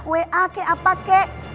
wa kek apa kek